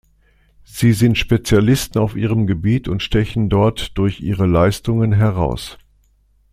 Sie sind Spezialisten auf ihrem Gebiet und stechen dort durch ihre Leistungen heraus.